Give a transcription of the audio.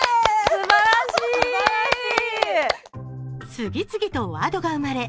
次々とワードが生まれ